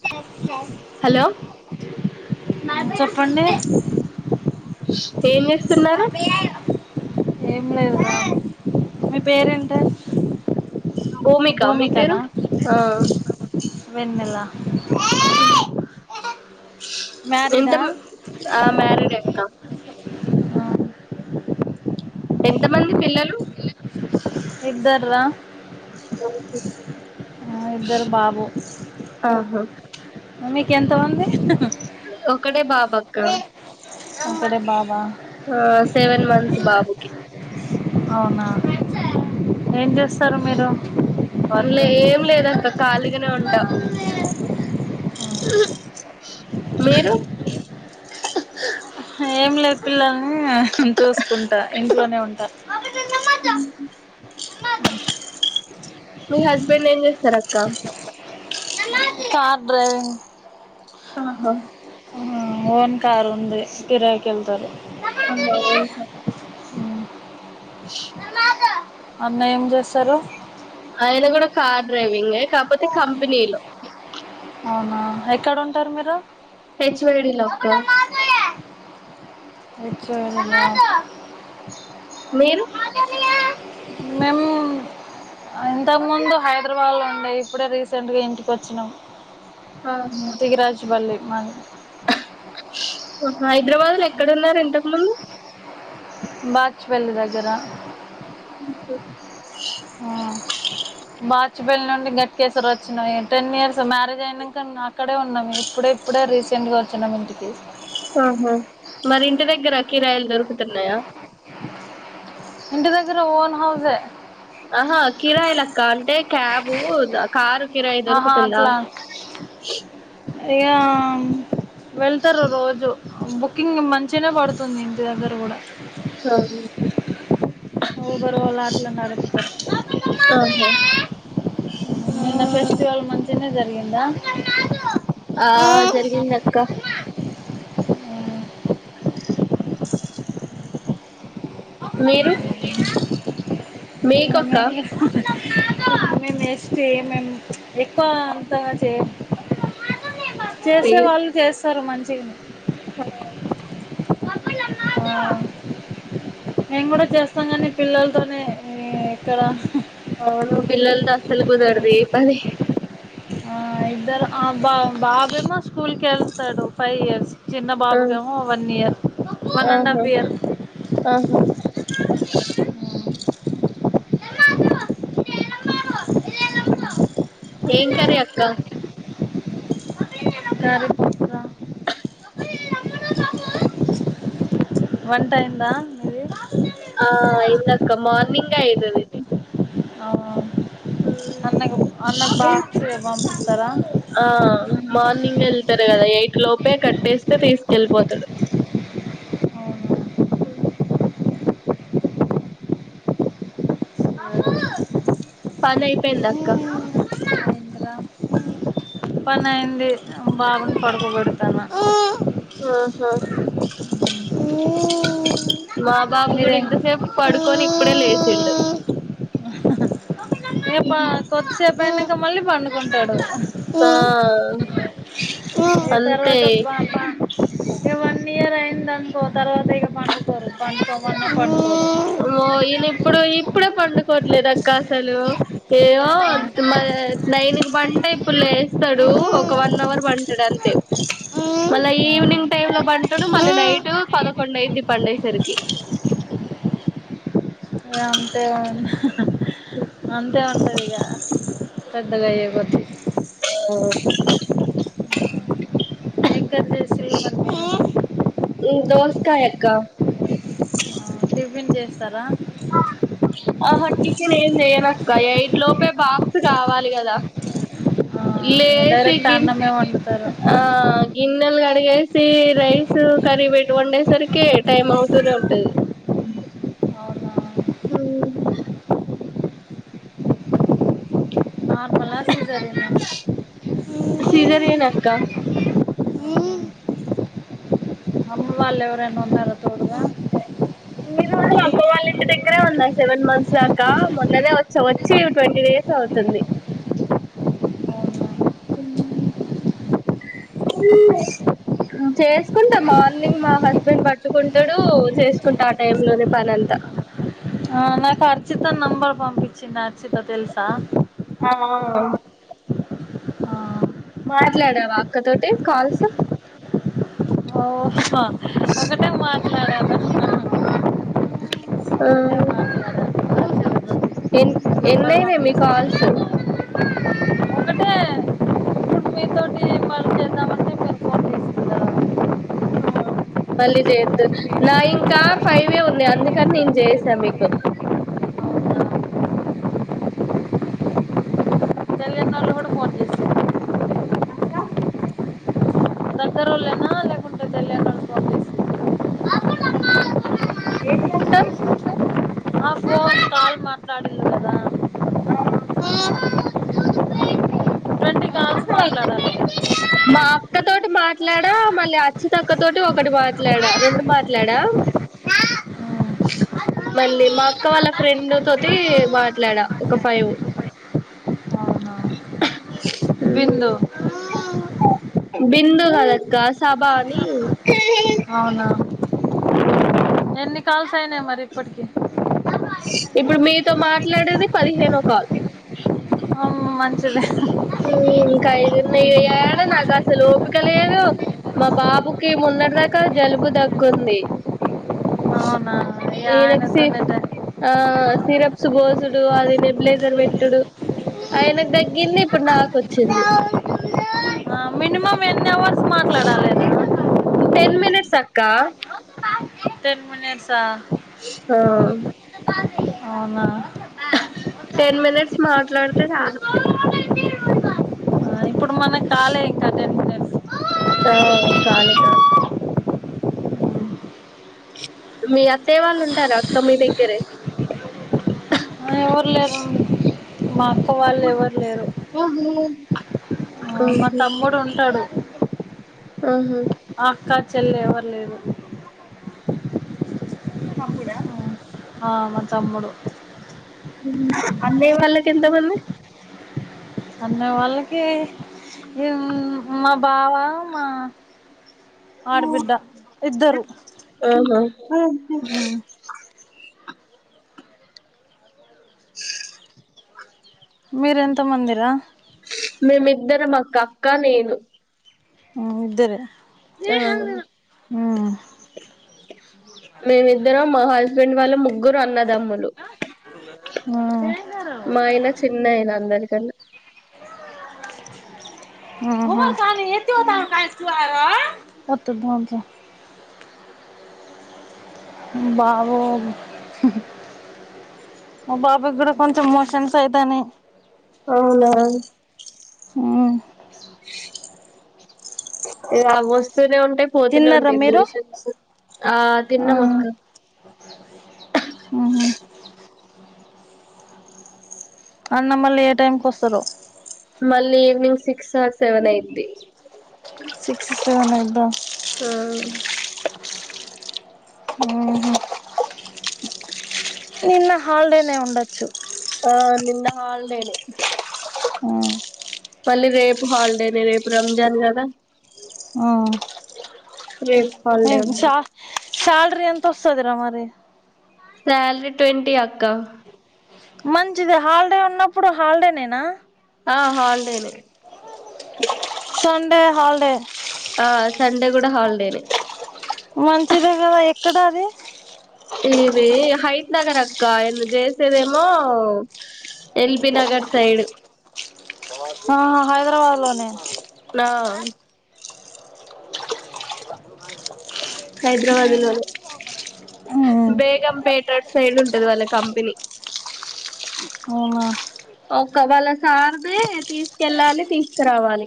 Such సఫ hello [inaudible] చెప్పండి ఏం చేస్ తున్నారు ఏం లేదు మీ పేరేంటి భూమిక మీ పేరు భూమికనా ఆ వెన్నెల ఎంత మ్యారీడా ఆ మ్యారిడ్ అక్క ఆ ఎంత మంది పిల్లలు ఇద్దర్ర ఇద్దరు బాబు ఆహా మీకు ఎంత మంది ఒకడే బాబు క్క ఒక్కడే బాబా అవునా ఏం చేస్తారు మీరు వర్క్ లే ఏం లేదక్క ఖాళీగానే ఉంట మీరు ఏం లేదు పిల్లల్ని చూసుకుంటా ఇంట్లోనే ఉంటా ఉమ్ ఉ అమోధు మీ హస్బెండ్ ఏం చేస్తారు అక్క కా కార్ డ్రైవింగ్ ఆహా అహా ఓన్ కార్ ఉంది కిరాయికి వెళ్తారు ఆ అంకా ఉమ్ అన్న ఏం చేస్తారు ఆయన కూడా కార్ డ్రైవింగ్ కాకపోతే కంపెనీలో అవునా ఎక్కడ ఉంటారు మీరు హెచ్ వెేడి లోక్క హెచ్ వెేడి నా మీరు మేము ఇంతకు ముందు హైదరాబాద్ లో ఉండ ఇప్పుడే రీసెంట్గా ఇంటికి వచ్చినాము ఆహా త్తగి రాజు బళ్లే మన ఓ హాయ్ హైదరాబాద్ లో ఎక్కడన్నారు ఇంతకు ముందు బాచిపల్లి దగ్గర ఉమ్ బాచపల్లి నుండి గట్కేసర వచ్చినయి టెన్ ఇయర్స్ మ్యారేజ్ అయినాక అక్కడే ఉన్నాం ఇప్పుడే ఇప్పుడే రీసెంట్గా వచ్చినం ఇంటికి ఆహా మరి ఇంటి దగ్గర కిరాయలు దొరకు తన్నాయ ఇంటి దగ్గర ఓన్ హౌజే ఆహా కిరాయి లెక్క అంటే క్యాబు కారు కిరాయి ఆహా దొరుకుతుందా ఆ ఇంకా వెళ్తారు రోజు బుకింగ్ మంచిగానే పడుతుంది ఇంటి దగ్గర కూడా ఆహా ఉబెర్ వాాల అట్లా నరేష్ కద ఆహా నిన్న ఫెస్టివల్ మంచిగనే జరిగిందా ఆ జరిగింది అక్క మీరు మేకక్క మేము ఎస్టీ మేము ఎక్కువ అంతగా చే చేసే వాళ్ళు చేస్తారు మంచిగానే ఆ మేం కూడా చేస్తాం కానీ పిల్లలతోనే ఇక్కడ ఫుల్ [unintelligible] పని ఆ ఇద్దరు అబ్బా బాబేమో స్కూల్ కెల్ తడు ఫైవ్ ఇయర్స్ చిన్న ఆ బాబుకేమో వన్ ఇయర్ వన్ అండ్ ఆహా హాఫ్ ఇయర్ ఆహా ఏం కర్రీ అక్క సరుపక్క వంటైందా మీది ఆ అయిందక్క మార్నింగ్ అయితది. అ అవునవును. పంపిస్తారా ఆ మార్నింగ్ ఎల్ తరు కదా ఎయి లోపే కట్టేస్తే తీస్ కెల్పోతడు. ఉ అయిందిరా పనైపోయిందా అక్క పనైంది బాబుని పడుకోబెడతాన్న. ఆహా మా బాబు గుడా మీరేం ఇంతసేపు పడుకొని ఇప్పుడే లేచిండు. ఏ పా కొద్ది సేప్ అయినా మళ్ళీ పండుకుంటాడు. ఆ ఇగ అంతే తర్వాత పాప అనుకో తర్వాత ఇగ పండుకోరు పండుకోమన్న పండుకోరు. ఓ ఈయన ఇప్పుడు ఇప్పుడే పండుకోట్లేదు అక్క అసలు ఏ నైన్కి పంట ఇప్పుడు ఆ లేస్తాడు ఒక వన్ అవర్ పంటడు అంతే మళ్ళా ఆ ఈవినింగ్ టైమ్ లో బంట అడు మల్ నైట్ పదకొండైది పన్నైసరికి అంతే ఉంది అంతే అంట అంతేగా పెద్దగా అయ్యే కొద్ది వెంకట్ శ్రీమన్ [inaudible] దోస్కాయక్క. టిఫిన్ చేస్తారా ఆహ కిచెన్ ఏం చేయనక్క ఎయిట్ లోపే బాక్స్ కావాలి కదా ఆ లేేసి డైరెక్ట్ గింత అన్నమే వండుతారు ఆ గిన్నెల్ లేసి రైస్, కర్రీ పెట్ వండే సరికే టైమ్ అవుతూనే ఉంటది. అవునా అవునా నార్మలా సిజేరియనా సీదరన అక్క అమ్మ వాళ్ళు ఎవరైనా ఉన్నారో తోడగా ఇన్ని రోజులు అమ్మ వాళ్ళ ఇంటి దగ్గరే ఉంద సెవెన్ మంత్స్ దాకా మొన్ననే వచ్చ వచ్చి ట్వంటీ డేస్ అవుతుంది ఉమ్ ఉమ్ చేసుకుంటా మార్నింగ్ మా హస్బెండ్ పట్టుకుంటాడు అవునా చేసుకుంటా ఆ టై లోని పనింతా ఆ నాకు అర్చిత నంబర్ పంపించింది ఉచత తెలుసా ఆ ఆ మాట్లాడావా అక్కతోటి కాల్స్ ఓహ ఒకటే మాట్లాడా ఆ ఒకటే మాట్లాడాను అర్చిత తోటి ఎ ఎన్న నంబర్ న మీ పంపించింది కాల్స్ ఒకటే ఇప్పుడు మీతోటి పని చేద్దామంటే మీరు ఫోన్ చేస్తున్నారు మళ్ళీ చేయొద్దు నా ఇంకా ఫైవే ఉన్నాయి అందుకని నేను చేసాను మీకు అవునా తెలియనోళ్ళు కూడా ఫోన్ చేసిర్రా అక్క డాగ్గరోల్ నా లెకుంటే ఎంటిధి అక్క ఆ ఫోన్ కాల్ మాట్లాడింది కదా ఆ ట్వంటీ కాల్స్ మాట్లాడాలి మా అక్కతోటి మాట్లాడా మళ్ళీ అచ్చితక్కతోటి ఒకటి మాట్లాడా రెండు మాట్లాడా మళ్ళీ మా అక్క వాళ్ళ ఫ్రెండ్ తోటి మాట్లాడా ఒక ఫైవ్ అవునా బిందు బిందుగాదక్క సభాని అవునా ఓ ఎన్ని కాల్స్ అయినాయి మరి ఇప్పటికీ ఇప్పుడు మీతో మాట్లాడేది పదిహేనో కాల్ ఆ మంచిదే ఉమ్ ఇంకా ఐదు ఉనయ్ ఇంకా యాడ్ నక్ అసల్ ఓపిక్ కలిదు మా బాబుకి మన్నటి దాకా జలుబు తగ్గుంది యన తన్నద ఆ సిరప్స్ బోసుుడు అది ని బ్లేజర్ పెట్టుడు ఆయనకు తగ్గింది ఇప్పుడు నాకొచ్చింది మినిమమ్ ఎని హోవర్లు మాట్లాడాలి రా టెన్ మనిట్స్ అక్క టెన్ మినిట్ సా అ ఆ అవునా టెన్ మనిట్స్ మాట్లాడుత రాదు మన కాలే ఇంకా టెన్ మనిట్స్ [inaudible] ఆ కాాల కాాల మీ అత్తయ వాళ్ళు ఉంటారు అక్క మీ దగ్గరే ఎవరు లేరు మా త్త వాళ్ళు ఎవరు లేరు ఆహా [inaudible] మా తమ్ముడు ఉంటాడు ఆహా అక్క చెల్లి ఎవరు లేరు మీ తమ్ముడా ఆ మా తమ్ముడు అన్నయ్య వాళ్ళకి ఎంతమంది అత్త వాళ్ళకి ఈ మా బావా మా ఆడబిడ్డ ఇద్దరు ఉమ్. హ మీరెంత మందిరా మేమిద్దర మా క అక్క అక్కనేను అఇద్దరా ఆ ఆ మేమి ఇద్దరం మహల్ హస్బెండ్ వాళ్ళ ముగ్గురు అన్నదమ్ములు ఉ మా ఇన చిన్న అయినా అందరి కడ్ అహానిత్త ద బాబు మా బాబు కూడా కొంచెం మోషన్స్ అయితాని అవునా అవు ఏ ఏ రావస్తునే ఉంట అంటే పోతూనే తిన్నారా ఉంటాయి మీరు మిషన్స్ ఆ, తిన్నమక్క. అన్న మళ్ళీ ఏ టైంకి వస్తరో? మళ్లీ ఈవ్నింగ్ సిక్స్ ఆర్ స్ సెవెన్ అయిద్ది. ఎం ఇద్దామ్ ఆ నిన్న హాలిడేనే ఉండొచ్చు హల్డేన్ ఆ పళ్ళిరేపు హాలిడే న రేపు రమజాన్ కదా ఆ రేప్ హాల్డే ఉంటది. సాలరీ ఎంతొస్తదిరా మరి? సాలరీ ట్వంటీ అక్క. మంచిదె, హాలిడే ఉన్నప్పుడు హాలిడే నేనా? ఆ హాలిడేనే సన్డే హాల్డే. ఆ, సండే కూడ హాలిడేనే. మంచిదే కదా, ఎక్కడ అది? ఇది హైత్ నగర్ అక్క, ఆయన్న చేసేదేమో ఎల్ బి నగర్ సైడ్. ఆ, హైదరాబాద్ లోనే. ఆ హైదరాబాద్ లోనే, బేగం పేట సైడ్ ఉంటది వాళ్ళ కంపెనీ. అవునా ఒక్క వాళ్ళ సార్ది తీసుకెళ్ళాలి, తీసుకరావాలి.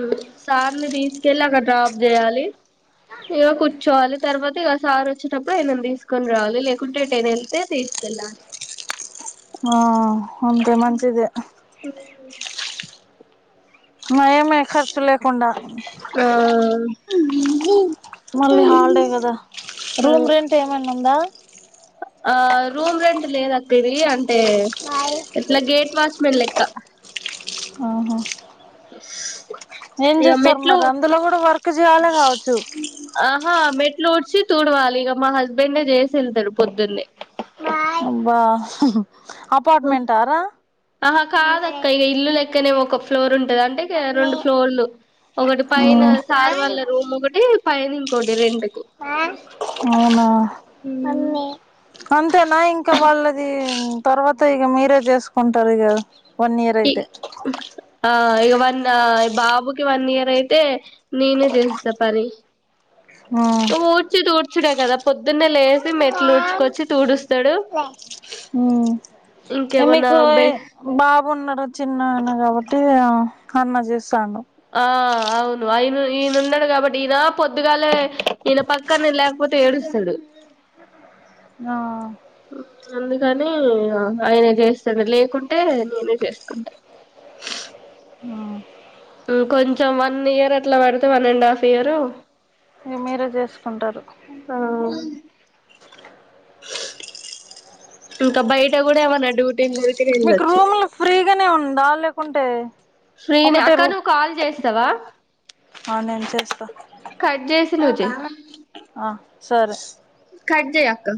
ఉమ్, సార్ని తీసుకెళ్లి అక్కడ డ్రాప్ చేయాలి, ఇగ కూర్చోవాలి. తర్వాత ఇగ సార్ వచ్చేటప్పుడు ఇగ మేం తీసుకొని రావాలి, లేకుంటే ఎటన్ళ్తే తీసుకెళ్ళాలి. ఆ అంతే, మంచిదే. నయం లే ఖర్చు లేకుండా. ఆ మళ్ళీ హాలిడే కదా, రూమ్ రెంట్ ఏమన్న ఉందా? ఆ, రూమ్ రెంట్ లేదక్కిదీ అంటే ఇట్ల గేట్ వాచ్ మెల్లెక్క ఆహా బస్ ఏం చేస్తరు, మరందులో కూడ వర్క్ చేయాలె కావచ్చు. ళ్ళు ఊడ్చి, తుడవాలి, ఇగ మా హస్బెండే చేసెల్తడు పొద్దున్నే. అబ్బా అపార్ట్మెంటారా ఆహా కాదక్క ఇగ ఇల్లు లేక్ అయితే నేమో ఒక ఫ్లోర్ ఉన్ అంటే ఇగ రెండు ఫ్లోర్లు ఒకటి పైన సార్ వాళ్ళ రూమ్ ఒకటి పైన్ ఇకోట్ అవునా, అంతేనా ఇంక వాళ్ళది తర్వాత్ తె, ఇగ మీరే చేసుకుంటారిగ. వన్ ఇయర్ ఇ అయితే ఆ ఇగ వన్, ఆ బాబుకి వన్ ఇయర్ అయితే నేనే చేసిస్తా పని. ఊడ్చి, తుడ్చ్ చుడే కదా, పొద్దున్నే లేసి మెట్లు ఉడ్చుకొచ్చి తూడుస్తడు. ఇమెకు బ ఉన్నడు చిన్న ఆన కాబట్టి ఆ అన్న చేస్తాండు. ఆ, అవును ఆయన ఈనె ఉన్నడు కాబట్టి ఈన పొద్దుగాలే ఈనె పక్కన నేన్ లేకపోతే ఏడుస్తడు. న అందుకని ఆయన చేస్తాను లేకుంటే నేనే చేసుకుంటా ఉ కొంచెం వన్ ఇయర్ అట్లా వడితే వన్ అండ్ హాఫ్ ఇయరు మీరే జేసుకుంటారు ఇంకా బయట కూడా ఏమన్నా డ్యూడ్ మీకు రూంలు ఫ్రీగానే ఉందా లే ఉంటే ఫ్రీ నే అక్క నువ్వు కాల్ చేస్తావా ఆ నేను చేస్తా కట్ చేసి ను జే ఆ సరే కా